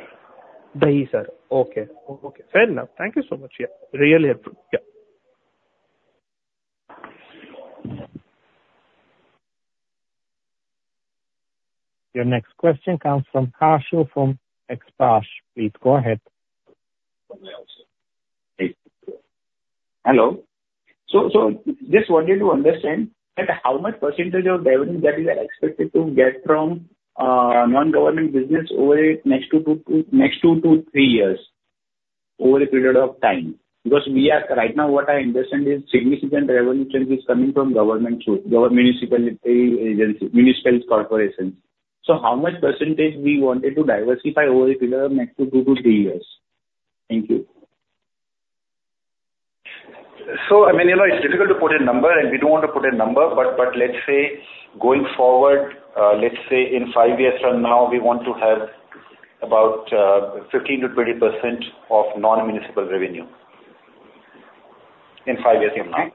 Dahisar. Okay. Okay, fair enough. Thank you so much. Yeah, really helpful. Yeah. Your next question comes from Harshil from Sparsh. Please go ahead. Hello. So just wanted to understand that how much percentage of revenue that you are expected to get from non-government business over the next 2-3 years, over a period of time? Because we are right now, what I understand is significant revenue is coming from government source, government municipality agency, municipal corporations. So how much percentage we wanted to diversify over a period of next two-three years? Thank you. So, I mean, you know, it's difficult to put a number, and we don't want to put a number, but, but let's say, going forward, let's say in five years from now, we want to have about 15%-20% of non-municipal revenue. In five years from now.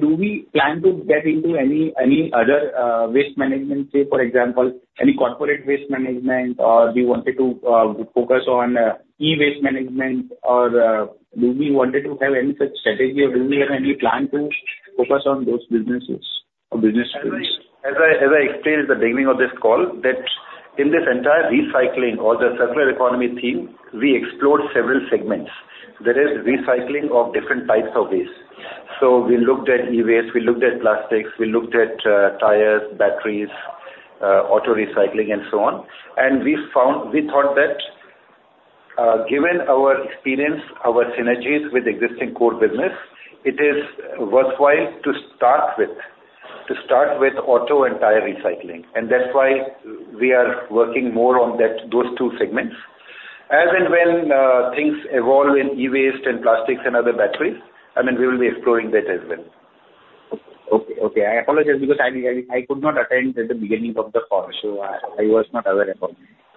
Do we plan to get into any other waste management, say, for example, any corporate waste management, or do you wanted to focus on e-waste management? Or do we wanted to have any such strategy, or do we have any plan to focus on those businesses or business streams? As I explained at the beginning of this call, that in this entire recycling or the circular economy theme, we explored several segments. There is recycling of different types of waste. So we looked at e-waste, we looked at plastics, we looked at tires, batteries, auto recycling, and so on. And we found, we thought that, given our experience, our synergies with existing core business, it is worthwhile to start with auto and tire recycling, and that's why we are working more on that, those two segments. As and when things evolve in e-waste and plastics and other batteries, I mean, we will be exploring that as well. Okay. Okay, I apologize, because I could not attend at the beginning of the call, so I was not aware about it.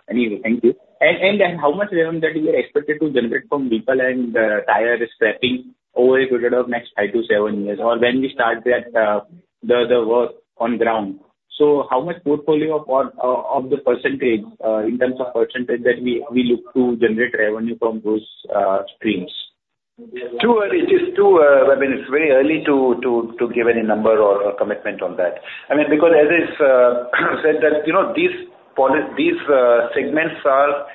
Anyway, thank you. And how much revenue that you are expected to generate from vehicle and tire scrapping over a period of next five-seven years, or when we start that the work on ground? So how much portfolio of or of the percentage in terms of percentage that we look to generate revenue from those streams? Too early. It is too... I mean, it's very early to give any number or commitment on that. I mean, because as is said, that, you know, these segments are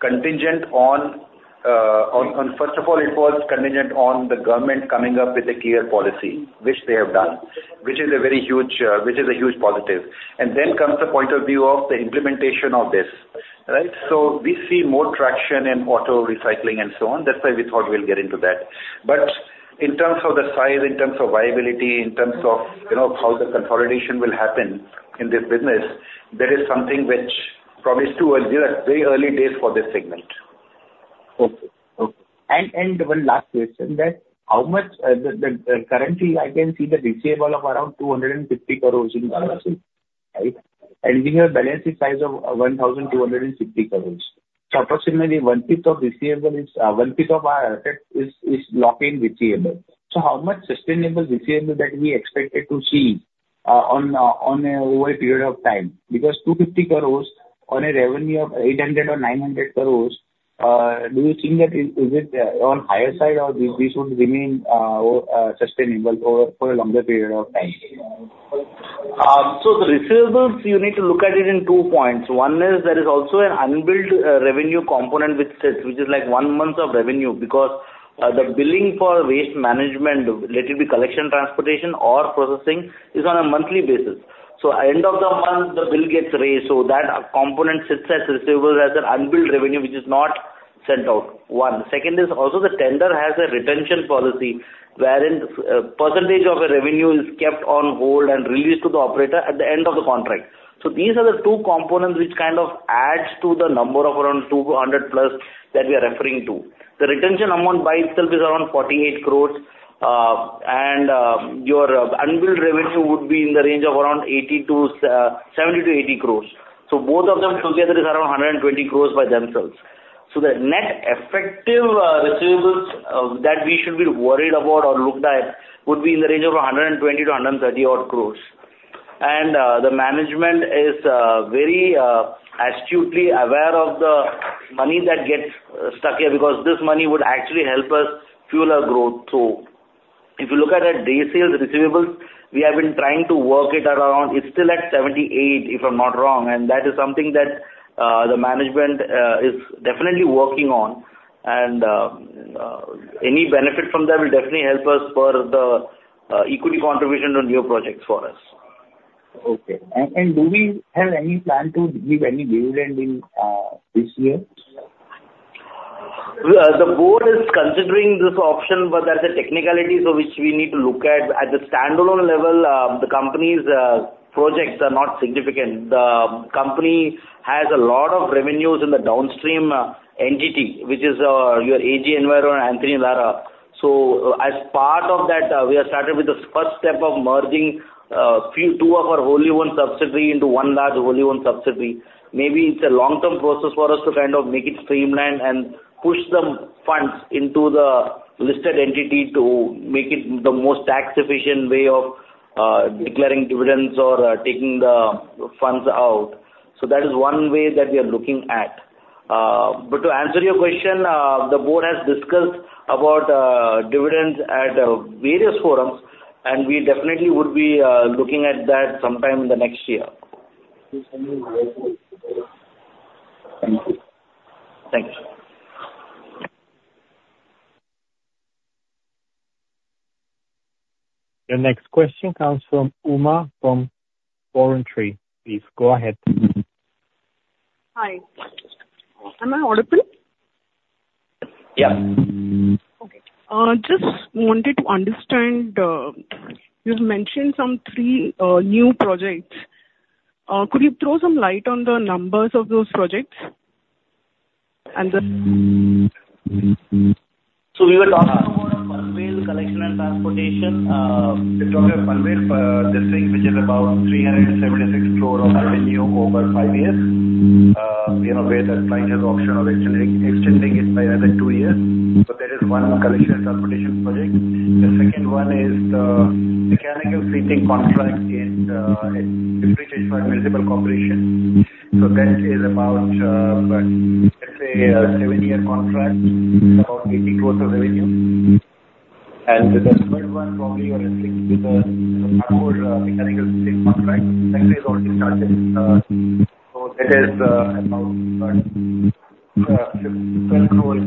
contingent on, on first of all, it was contingent on the government coming up with a clear policy, which they have done, which is a very huge, which is a huge positive. And then comes the point of view of the implementation of this, right? So we see more traction in auto recycling and so on. That's why we thought we'll get into that. But in terms of the size, in terms of viability, in terms of, you know, how the consolidation will happen in this business, that is something which probably is too early, you know, very early days for this segment. Okay. Okay. And one last question, that how much the currently I can see the receivable of around 250 crore in Maharashtra, right? And we have a balancing size of 1,260 crore. So approximately one-fifth of receivable is one-fifth of our effect is locked in receivable. So how much sustainable receivable that we expected to see on a over a period of time? Because 250 crore on a revenue of 800 crore or 900 crore, do you think that is it on higher side, or this would remain sustainable over for a longer period of time? So the receivables, you need to look at it in two points. One is there is also an unbilled revenue component, which sits, which is like one month of revenue, because the billing for waste management, let it be collection, transportation, or processing, is on a monthly basis. So end of the month, the bill gets raised, so that component sits as receivables, as an unbilled revenue, which is not sent out, one. Second is also the tender has a retention policy, wherein percentage of a revenue is kept on hold and released to the operator at the end of the contract. So these are the two components which kind of adds to the number of around 200+ that we are referring to. The retention amount by itself is around 48 crore, and your unbilled revenue would be in the range of around 70 crore-80 crore. So both of them together is around 120 crore by themselves. So the net effective receivables that we should be worried about or looked at would be in the range of 120 crore-130 crore odd. And the management is very astutely aware of the money that gets stuck here, because this money would actually help us fuel our growth. If you look at the days sales outstanding, we have been trying to work it around. It's still at 78, if I'm not wrong, and that is something that the management is definitely working on. Any benefit from that will definitely help us for the equity contribution on new projects for us. Okay. And do we have any plan to give any dividend in this year? The board is considering this option, but there are the technicalities of which we need to look at. At the standalone level, the company's projects are not significant. The company has a lot of revenues in the downstream entity, which is your AG Enviro and Antony Lara. So as part of that, we have started with the first step of merging two of our wholly-owned subsidiary into one large wholly-owned subsidiary. Maybe it's a long-term process for us to kind of make it streamlined and push the funds into the listed entity to make it the most tax efficient way of declaring dividends or taking the funds out. So that is one way that we are looking at. But to answer your question, the board has discussed about dividends at various forums, and we definitely would be looking at that sometime in the next year. Thank you. Thank you. Your next question comes from Uma, from Go India. Please, go ahead. Hi. Am I audible? Yeah. Okay. Just wanted to understand, you've mentioned some three new projects. Could you throw some light on the numbers of those projects? And the- We were talking about a Panvel collection and transportation, We're talking of Panvel, this thing, which is about 376 crore of revenue over 5 years. You know, where the client has the option of extending it by another 2 years. So there is one collection and transportation project. The second one is the mechanical treating contract in, which is for a municipal corporation. So that is about, let's say, a seven year contract, it's about 80 crore of revenue. And the third one, probably, you are referring to the hardcore mechanical contract. That has already started, so that is about twelve crores, if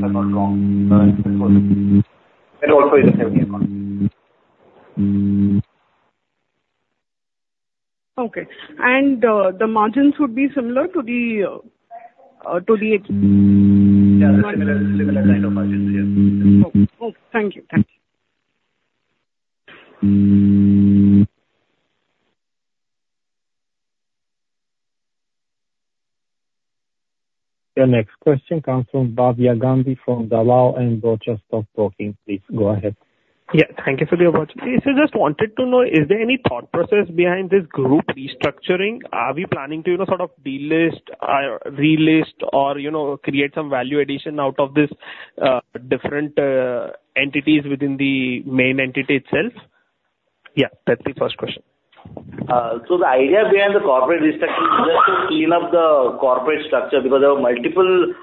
I'm not wrong. That also is a seven year contract. Okay. And, the margins would be similar to the, to the- Yeah, similar, similar kind of margins, yeah. Okay. Thank you. Thank you. Your next question comes from Bhavya Gandhi, from Dalal and Broacha Stock Broking. Please, go ahead. Yeah. Thank you for your question. I just wanted to know, is there any thought process behind this group restructuring? Are we planning to, you know, sort of delist, relist or, you know, create some value addition out of this, different entities within the main entity itself? Yeah, that's the first question. So the idea behind the corporate restructuring is just to clean up the corporate structure, because there were multiple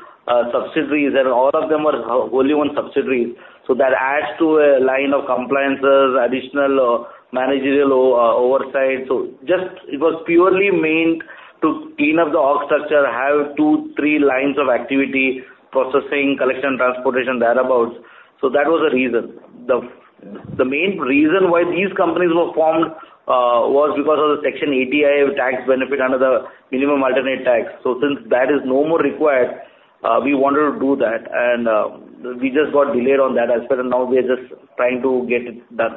subsidiaries and all of them are wholly-owned subsidiaries. So that adds to a line of compliances, additional managerial oversight. So just it was purely meant to clean up the org structure, have two, three lines of activity, processing, collection, transportation, thereabout. So that was the reason. The main reason why these companies were formed was because of the Section 80-IA of tax benefit under the minimum alternate tax. So since that is no more required, we wanted to do that, and we just got delayed on that as well, and now we are just trying to get it done.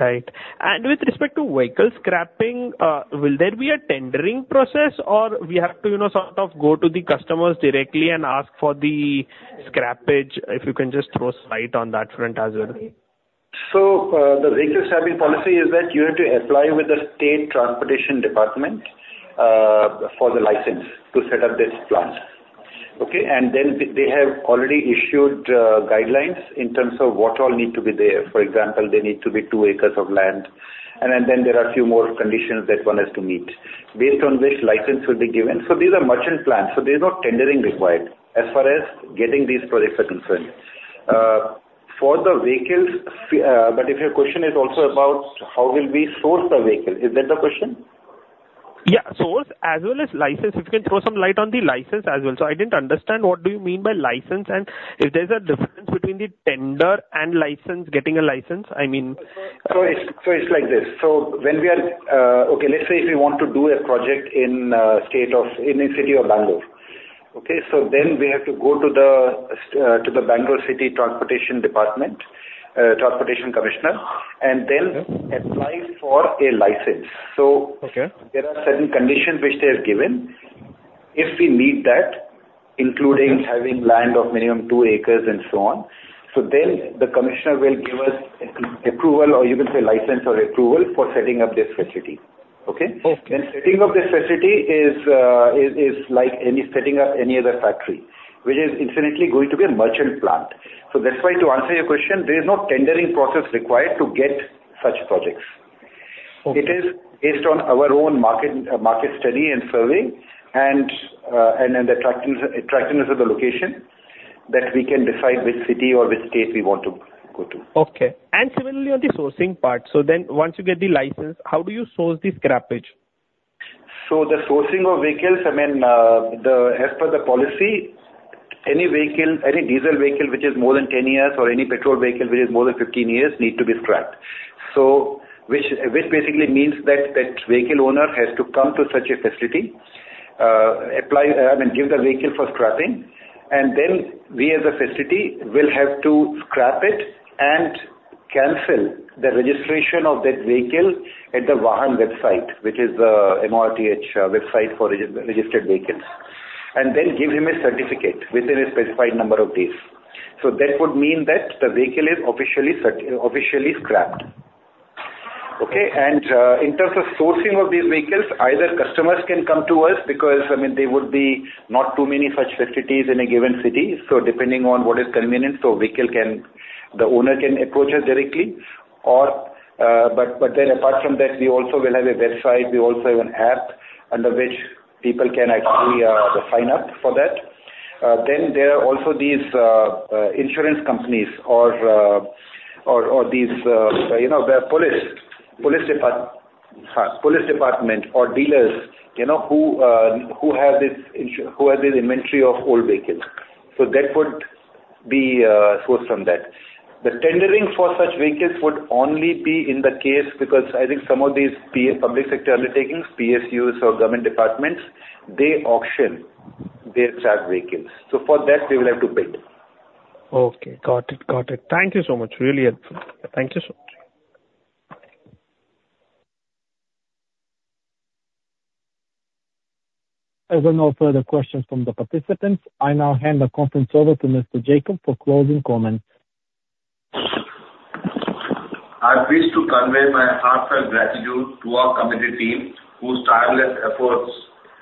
Right. And with respect to vehicle scrapping, will there be a tendering process or we have to, you know, sort of go to the customers directly and ask for the scrappage? If you can just throw light on that front as well. So, the vehicle scrapping policy is that you have to apply with the State Transportation Department for the license to set up this plant. Okay? And then they have already issued guidelines in terms of what all need to be there. For example, there need to be two acres of land, and then there are a few more conditions that one has to meet, based on which license will be given. So these are merchant plants, so there is no tendering required as far as getting these projects are concerned. For the vehicles... But if your question is also about how will we source the vehicles, is that the question? Yeah, source as well as license. If you can throw some light on the license as well. So I didn't understand what do you mean by license, and if there's a difference between the tender and license, getting a license, I mean- So it's like this. So when we are, Okay, let's say if we want to do a project in, state of, in the city of Bangalore, okay? So then we have to go to the, to the Bangalore City Transportation Department, Transportation Commissioner, and then- Okay. apply for a license. So Okay. There are certain conditions which they have given. If we meet that, including- Okay. having land of minimum 2 acres and so on, so then the commissioner will give us approval, or you can say license or approval for setting up this facility. Okay? Okay. Setting up this facility is like setting up any other factory, which is infinitely going to be a merchant plant. So that's why, to answer your question, there is no tendering process required to get such projects. It is based on our own market study and survey, and the attractiveness of the location, that we can decide which city or which state we want to go to. Okay. Similarly, on the sourcing part, so then once you get the license, how do you source the scrappage? So the sourcing of vehicles, I mean, as per the policy, any vehicle, any diesel vehicle which is more than 10 years, or any petrol vehicle which is more than 15 years, need to be scrapped. So which basically means that that vehicle owner has to come to such a facility, apply, I mean, give the vehicle for scrapping, and then we as a facility will have to scrap it and cancel the registration of that vehicle at the Vahan website, which is the MoRTH website for registered vehicles. And then give him a certificate within a specified number of days. So that would mean that the vehicle is officially scrapped. Okay? And in terms of sourcing of these vehicles, either customers can come to us because, I mean, there would be not too many such facilities in a given city. So depending on what is convenient, the vehicle owner can approach us directly or, but then apart from that, we also will have a website. We also have an app under which people can actually sign up for that. Then there are also these insurance companies or these, you know, the police department or dealers, you know, who have this inventory of old vehicles. So that would be sourced from that. The tendering for such vehicles would only be in the case, because I think some of these PSU, public sector undertakings, PSUs or government departments, they auction their scrap vehicles, so for that they will have to bid. Okay. Got it, got it. Thank you so much. Really helpful. Thank you so much. As there are no further questions from the participants, I now hand the conference over to Mr. Jacob for closing comments. I wish to convey my heartfelt gratitude to our committed team, whose tireless efforts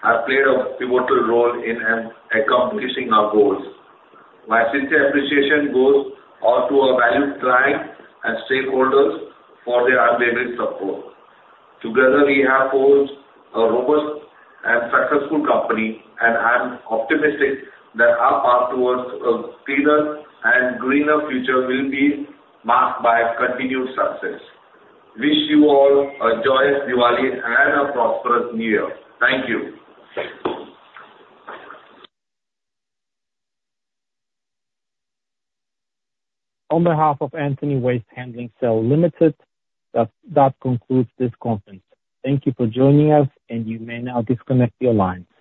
have played a pivotal role in accomplishing our goals. My sincere appreciation goes out to our valued clients and stakeholders for their unwavering support. Together, we have forged a robust and successful company, and I am optimistic that our path towards a cleaner and greener future will be marked by continued success. Wish you all a joyous Diwali and a prosperous new year. Thank you. On behalf of Antony Waste Handling Cell Limited, that concludes this conference. Thank you for joining us, and you may now disconnect your line.